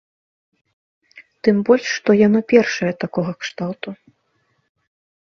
Тым больш што яно першае такога кшталту.